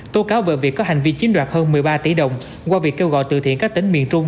tố cáo về việc có hành vi chiếm đoạt hơn một mươi ba tỷ đồng qua việc kêu gọi từ thiện các tỉnh miền trung